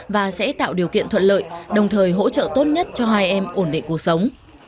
và sẽ tạo điều kiện thuận lợi đồng thời hỗ trợ tốt nhất cho hai em ổn định cuộc sống